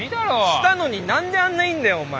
したのに何であんないんだよお前。